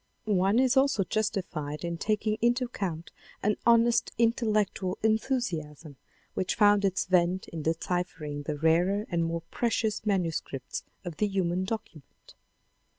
One is also justified in taking into account an honest intellectual enthusiasm which found its vent in deciphering the rarer and more precious manuscripts of the "human document."